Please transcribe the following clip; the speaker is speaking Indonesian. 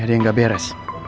ada yang gak beres